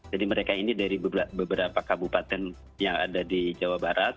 jadi mereka ini dari beberapa kabupaten yang ada di jawa barat